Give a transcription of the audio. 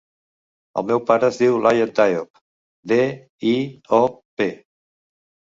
El meu pare es diu Iyad Diop: de, i, o, pe.